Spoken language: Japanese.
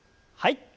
はい。